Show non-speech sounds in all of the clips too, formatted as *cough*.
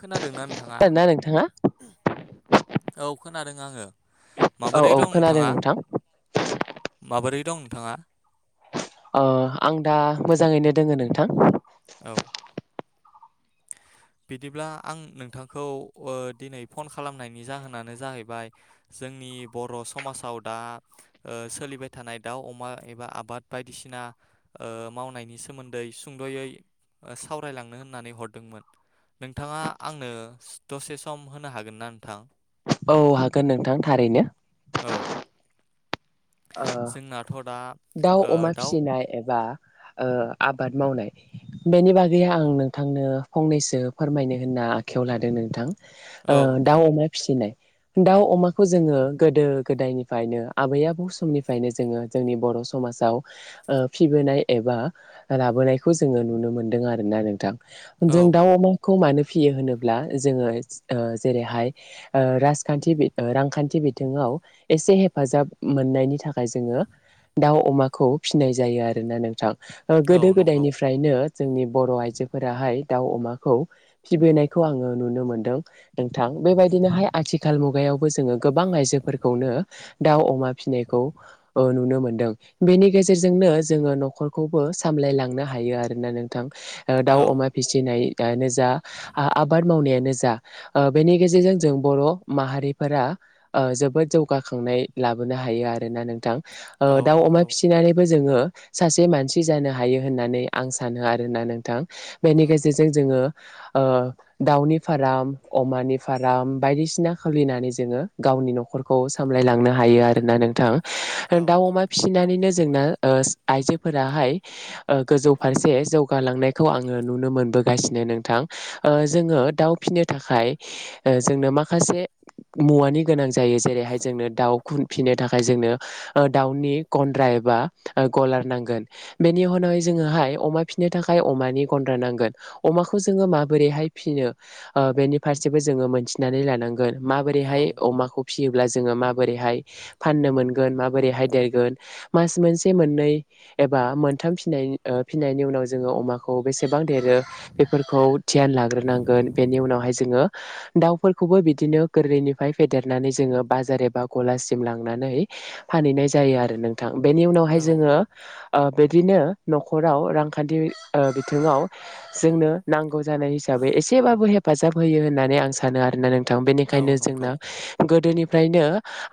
खोनादोंना नोंथाङा खोनादोंना नोंथाङा औ खोनादों आङो औ माबोरै औ दं खोनादों नोंथाङा नोंथां माबोरै दं नोंथाङा ओ आं दा मोजाङैनो दोङो नोंथां। औ बिदिब्ला आं नोंथांखौ ओ दिनै फन खालामनायनि जाहोनानो जाहैबाय जोंनि बर' समाजाव दा सोलिबाय थानाय दाउ अमा एबा आबाद बायदिसिना मावनायनि सोमोन्दै सुंदयै ओ सावरायलांनो होननानै हरदोंमोन नोंथाङा आंनो दसे सम होनो हागोन ना नोंथां? औ हागोन नोंथां थारैनो। औ ओ जोंनाथ' दा दाउ ओ अमा दाउ फिसिनाय एबा ओ आबाद मावनाय बेनि बागै आं नोंथांनो फंनैसो फोरमायनो होनना आखायाव लादों नोंथां। ओ औ नोंथां दाउ अमा फिसिनाय दाउ अमाखौ जोङो गोदो गोदायनिफ्रायनो आबै आबौ समनिफ्रायनो जोङो जोंनि बर' समाजाव ओ फिबोनाय एबा लाबोनायखौ जोङो नुनो मोनदों आरोना नोंथां। जों औ दाउ अमाखौ मानो फियो होनोब्ला जोङो ओ जेरैहाय ओ राजखान्थि ओ रांखान्थि बिथिङाव एसे हेफाजाब मोननायनि थाखाय जोङो दाउ अमाखौ फिसिनाय जायो आरोना नोंथां ओ औ गोदो नंगौ गोदायनिफ्रायनो जोंनि बर' आइजोफोराहाय दाउ अमाखौ फिबोनायखौ आङो नुनो मोनदों नोंथां बेबायदिनोहाय आथिखाल मुगायावबो जोङो गोबां आइजोफोरखौनो दाउ अमा फिनायखौ नुनो मोनदों बेनि गेजेरजोंनो जोङो नखरखौबो सामलायलां हायो आरोना नोंथां ओ दाउ औ अमा फिसिनाय दानो जा आ-आबाद मावनायानो जा बेनि गेजेरजों जों बर' माहारिफोरा ओ जोबोद जौगाखांनाय लाबोनो हायो आरो *unintelligible* नों थां औ दाउ अमा नंगौ फिसिनानै बो जोङो सासे मानसि जानो हायो होननानै आं सानो आरोना नोंथां औ बेनि गेजेरजों जोङो ओ दाउनि फाराम अमानि फाराम बायदिसिना खुलिनानै जोङो गावनि नखरखौ सामलायलांनो हायो आरोना नों थां औ दाउ अमा फिसिनानैनो जोंना ओ आइजोफोराहाय गोजौ फारसे जौगालांनायखौ आङो नुनो मोनबोगासिनो नोंथां जोङो दाउ फिसिनो थाखाय जोंनो माखासे मुवानि गोनां ज जायो जेरैहाय जोंनो दाउ फिनो नो दाउनि गन्द्रा एबा गलार नांगोन बेनि उनावहाय जोङोहाय अमा फिसिनो थाखाय अमानि गन्द्रा नांगोन अमाखौ जोङो माबोरैहाय फिनो बेनि फारसेबो जोङो मोनथिनानै लानां गोन औ माबोरैहाय अमाखौ फिसियो ब्ला जोङो माबोरैहाय? फाननो मोनगोन माबोरैहाय देरगोन मास मोनसे मोननै एबा मोनथाम फिनायनि ओ फिनायनि उनाव जोङो अमाखौ बेसेबां देरो बेफोरखौ धियान लाग्रोनांगोन बेनि उनावहाय जोङो दाउफोरखौबो बिदिनो गोरलैनिफ्राय फेदेरनानै जोङो बाजार एबा गलासिम लाङ थांनानै फानहैनाय जायो आरो नोंथां बेनि उनावहाय औ जोङो ओ बिदिनो नखराव रांखान्थि ओ बिथिङाव जोंनो नां गौ जानाय हिसाबै एसेबाबो हे हेफाजाब होयो होननानै आं सानो आरोना नों थां औ बेनिखायनो नंगौ जोंना गोदोनि निफ्रायनो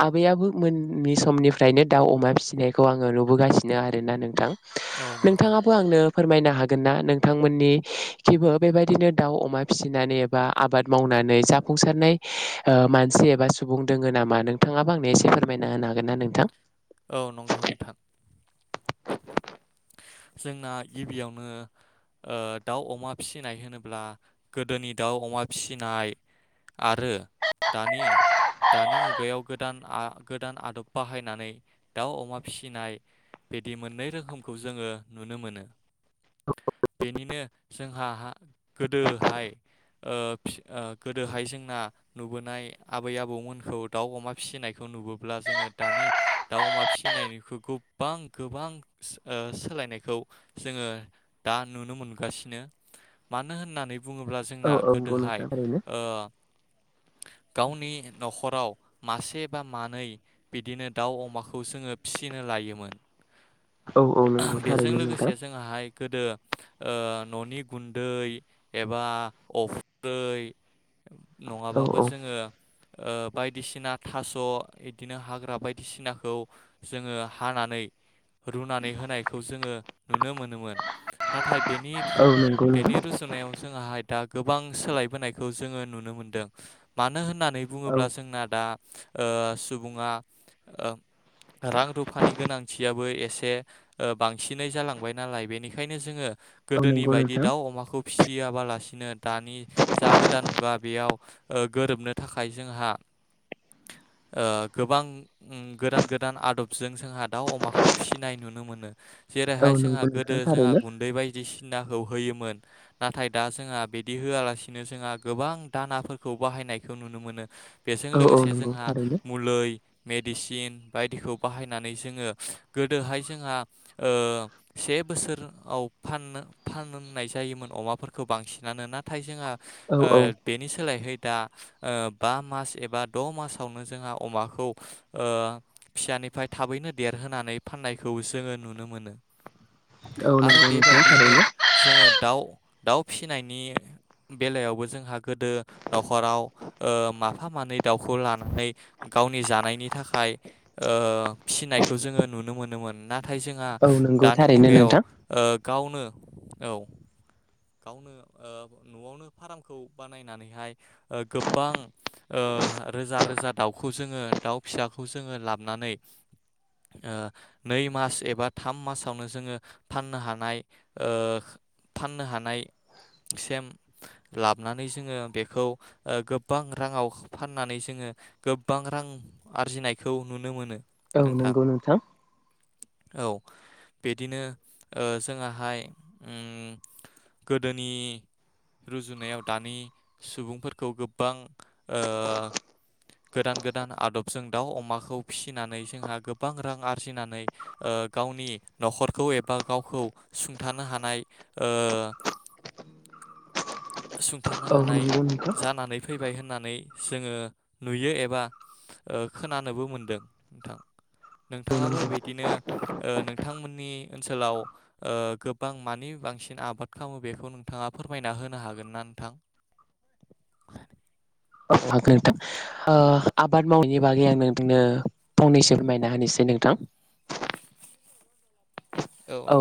आबैयाबो मोननि समनिफ्रायनो दाउ अमा फिसिनायखौ आङो नुबोगासिनो आरोना नोंथां। औ नंगौ नोंथाङाबो आंनो फोरमायनो हागोन ना नोंथांमोननि खिबो बेबायदिनो दाउ अमा फिसिनानै एबा आबाद मावनानै जाफुंसारनाय मानसि एबा सुबुं दङ नामा नोंथाङाबो आंनो एसे फोरम मायना होनो हागोन ना नोंथां? औ नंगौ नोंथां जोंना गिबियावनो ओ दाउ अमा फिसिनाय होनोब्ला गोदोनि दाउ अमा फिसिनाय आरो दानि दानि मुगायाव गोदान आ गोदान आदब बाहायनानै दाउ अमा फिसिनाय बिदि मोननै रोखोम खौ जोङो नुनो मोनो बेनिनो जोंहा गोदोहाय ओ गोदोहाय जोंना नुबोनाय आबै आबौमोनखौ दाउ अमा फिसिनायखौ नुबोब्ला जोङो दानि दाउ अमा फिसिनायखौ गोबां गोबां ओ सोलायनायखौ जोङो दा नुनो मोनगासिनो मानो होननानै बुङोब्ला औ जोंना औ नंगौ गोदोहाय नोंथां थारैनो ओ गावनि नखराव मासे बा मानै बिदिनो दाउ अमाखौ जोङो फिसिनो लायोमोन औ औ नंगौ बेजों थारैनो नोंथां लोगोसे जोंआ हाय गोदो ननि गुन्दै एबा अफ्रै औ नङाबाबो औ जोङो ओ बायदिसिना थास बिदिनो हाग्रा बायदिसिनाखौ जोङो हानानै रुनानै होनायखौ जोङो नुनो मोनोमोन नाथाय बेनि औ नंगौ बेनि नोंथां रुजुनायाव जों आहाय दा गोबां सोलायबोनायखौ जोङो नुनो मोनदों मानो होननानै औ बुङोब्ला जोंना दा ओ सुबुङा रां रुफानि गोनांथियाबो एसे बे बांसिनै जालांबाय नालाय बेनिखायनो जोङो औ गोदोनि नंगौ बायदि नोंथां दाउ अमाखौ फिसि गियाबालासिनो दानि जा गोदान मुगा बेयाव ओ गोरोबनो थाखाय जोंहा ओ गोबां ओं गोदान गोदान आदबजों जोंहा दाउ अमाखौ फिसि इनाय नुनो मोनो। औ जेराहाय सोंहा नंगौ गोदो नोंथां जोंहा थारैनो गुन्दै बायदसि नाहौ होयोमोन नाथाय दा जोंहा बिदि होआलासिनो जोंहा गोबां दानाफोरखौ बाहायनायखौ नुनो मोनो बेजों औ औ लोगोस ए नंगौ जोंहा थारैनो मुलै मेडिसिन बायदिखौ बाहायनानै जोङो गोदोहाय जोंहा ओ से बोसोर आव व फाननो फाननाय जायोमोन अमाफोरखौ बांसिनानो नाथाय जोंहा औ ओ औ बेनि सोलायहै दा ओ बा मास एबा द' मासावनो जोंहा अमाखौ ओ फिसानिफ्राय थाबैनो देरहोनानै फाननायखौ जोङो नुनो मोनो। औ नंगौ उम गिनो जोङो दाउ दाउ फिसिनायनि बेलायावबो जोंहा गोदो न'खराव ओ माफा मानै दाउखौ लानानै गावनि जानायनि थाखाय ओ फिसिनायखौ जोङो नुनो मोनोमोन नाथाय जों या औ नंगौ दानि थारैनो मुगायाव नोंथां ओ गावनो औ गावनो ओ न'आवनो फारामखौ बानायनानैहाय ओ गोबां ओ रोजा रोजा दाउखौ जोङो दाउ फिसाखौ जोङो लाबनानै ओ नै मास एबा थाम मासावनो जोङो फाननो हानाय ओ फाननो हानाय सेम लाबोनानै जोङो बेखौ गोबां राङाव फाननानै जोङो गोबां रां आरजिनायखौ नुनो मोनो। औ नंगौ नोंथां। औ बेदिनो ओ जोंआहाय उम गोदोनि रुजुनायाव दानि सुबुं फोरखौ गोबां ओ गोदान गोदान आदबजों दाव अमाखौ फिसिनानै जोंहा गोब बां रां आरजिनानै ओ गावनि न'खरखौ एबा गावखौ सुंथानो हानाय ओ सुंथानो औ हानाय नंगौ नोंथां जानानै फैबाय होन होननानै जोङो नुयो एबा ओ खोनानोबो मोनदों नोंथां औ नोंथाङाबो नंगौ बिदिनो ओ नोंथांमोननि ओनसोलाव ओ गोबां ओ मानि बांसिन आबाद खालामो बेखौ नोंथाङा फोरमायना होन हागोन ना नोंथां हागोन नोंथां ओ आबाद मावैनायनि बागै आं नोंथांनो फंनैसो फोरमायना होनोसै नोंथां औ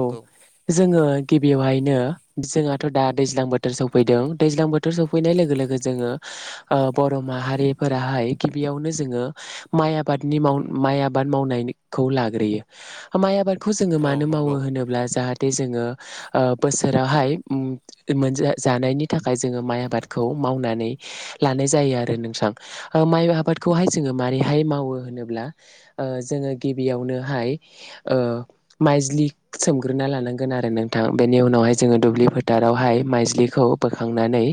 जोङो गिबियावहायनो जोंहाथ' दा दैज्लां बोथोर सफैदों दैज्लां बोथोर सफैनाय लोगो लोगो जोङो ओ बर' माहारिफोराहाय गिबियावनो जोङो माइ आबादनि माव माइ आबाद मावनायखौ लाग्रोयो माइ आबाद खौ जोङो औ मा मावो नंगौ होनोब्ला जाहाथे जोङो ओ बोसोरावहाय मोन जानायनि थाखाय जोङो माइ आबादखौ मावनानै लानाय जायो आरो नोंथां माइ ओ आबादखौहाय जोङो माबोरैहाय मावो होनोब्ला ओ जोङो गिबियावनोहाय ओ माइज्लि सोमग्रोना लानांगोन आरो नोंथां बेनि उनावहाय जोङो दुब्लि फोथारावहाय माइजलिखौ बोखांनानै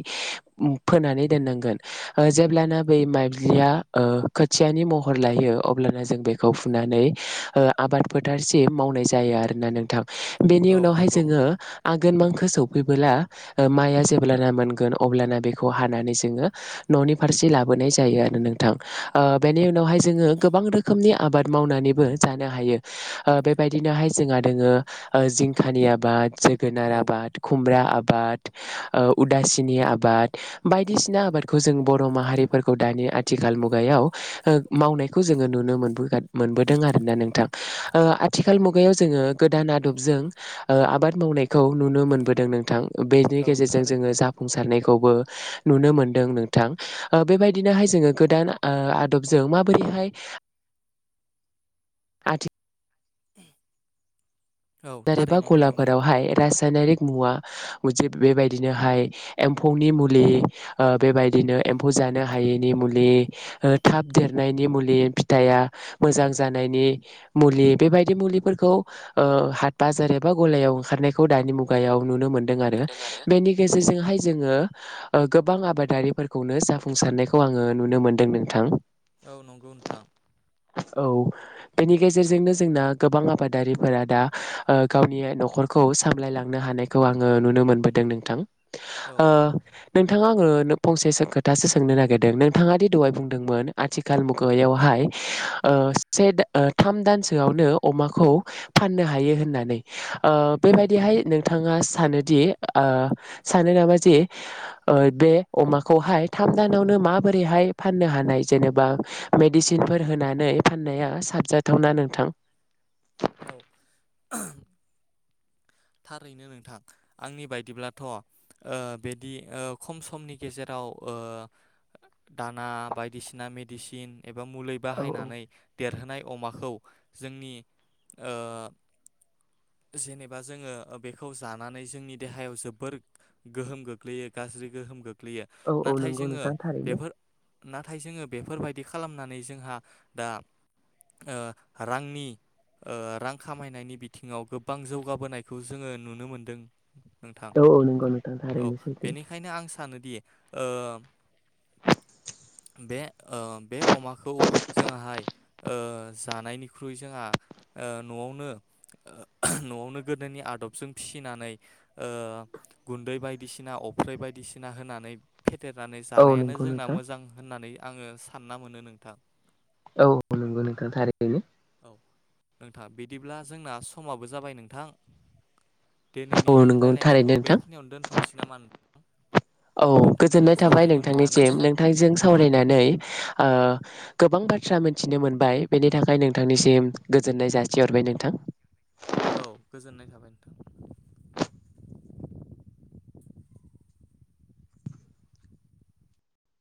फोनानै दोननांगोन ओ जेब्लाना बै माइब्लिया ओ खोथियानि महर लायो अब्ला जों बेखौ फुनानै ओ आबाद फोथारसिम मावनाय जा जायो आरोना नोंथां बेनि औ उनावहाय नंगौ जोङो गोनमांखो सफैबोला ओ माइ जेब्लाना मोन अब्ला बेखौ हानानै जोंङो न नि फारसे लाबोनाय जायो आरो नोंथां ओ बेनि उनाव जोंङो गोबां रोखोमनि आबाद मावनानैबो जानो हायो ओ बेबाय बिदिनोहाय जोंहा दोङो ओ जिंखानि आबाद जोगोनार औ आबाद खुमब्रा आब आबाद ओ उदासिनि आबाद बायदिसिना आबादखौ जों बर' माहारिफोरखौ दानि आथिखाल मुगायाव ओ मावनायखौ जोङो नुनो मोनबोगा मोनबोदों आरोना नोंथां ओ आथिखाल मुगायाव जोङो गोदान आदबजों ओ आबाद मावनायखौ नुनो मोनबोदों नोंथां बेनि औ गेजेरजों थारैनो जोङो जाफुंसारनाय खौबो नुनो मोनदों नोंथां ओ बेबायदिनोहाय जोङो गोदान ओ आदबजों माबोरैहाय औ बोरैबा थारैनो नंगौ नोंथां गलाफोरावहाय रासायनारिक मुवा बेबायदिनोहाय एम्फौनि मुलि ओ बेबायदिनो एम्फौ जानो हायैनि मुलि ओ थाब देरनायनि मुलि फिथाइया मोजां जानायनि मुलि बेबायदि मुलिफोरखौ ओ बाजार एबा गलायाव ओंखारनायखौ दानि मुगायाव नुनो मोनो। दों आरो बेनि औ गेजेरजोंहाय जोङो गोबां आबादारिफोरखौनो जाफुंसारनायखौ आङो नुनो मोनदों नोंथां। औ नंगौ नोंथां। औ बेनि गेजेरजोंनो जोंना गोबां आबादारिफोरा दा ओ गावनि न'खरखौ सामलायलांनो हानायखौ आङो नुनो मोनबोदों नोंथां ओ औ नोंथांङा ओ नो फंसे खोथासो सोंनो नागिरदों नोंथाङा दि दहाय बुंदोंमोन आथिखाल मुगायावहाय ओ से ओ थाम दानसोआवनो अमाखौ फाननो हायो होनना नै ओ औ बेबायदिहाय नों थाङा सानोदि ओ सानो नामा जे बे अमाखौहाय थाम दानावनो माबोरैहाय फाननो हानाय जेनेबा मेडिसिनफोर होनानै फाननाया साबजाथावना नोंथां औ थारैनो नोंथां आंनि बायदिब्लाथ ओ बेदि ओ खम समनि गेजेराव ओ दाना बायदिसिना मेडिसिन एबा मुलै औ बाहायनानै देरहोनाय अमाखौ जोंनि ओ जेनेबा जोङो बेखौ जानानै जोंनि देहायाव जोबोर गोहोम गोग्लैयो गाज्रि गोहोम गोग ग्लैयो औ औ नाथाय नंगौ जोङो नोंथां थारैनो बेफोर नाथाय जोङो बेफोरबायदि खालामनानै जोंहा दा ओ रांनि ओ रां खामायनायनि बिथिङाव गोबां जौगा बोनायखौ जोङो नुनो मोनदों। नोंथां औ औ नोंगौ नोंथां थारैनो सैथो दि ओ *unintelligible* बे ओ बे अमाखौ जोंहाय ओ जानायनिख्रुइ जोंहा ओ नआवनो नआवनो गोदोनि आदबजों फिसिनानै ओ गुन्दै बायदिसिना अफ्रै बायदिसिना होनानै फेदेरनानै औ जानायानो नंगौ जोंना नोंथां मोजां होननानै आङो सानना मोनो नोंथां औ नंगौ नोंथां थारैनो। नोंथां बिदिब्ला जोंना समाबो जाबाय नोंथां। औ दिनैनि नंगौ थारै रायलायनायखौ नोंथां बेखिनियावनो दोनथ'नोसै नामा औ नोंथांजों गोजोननाय थाबाय सावरायनो मोननानै नोंथांनिसिम नोंथांजों औ सावरायनानै ओ गोबां बाथ्रा मिनथिनो मोन बाय बेनि थाखाय नोंथांनिसिम गोजोननाय जासिहरबाय नोंथां। औ गोजोननाय थाबाय नोंथां।